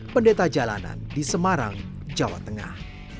pendeta jalanan di semarang jawa tengah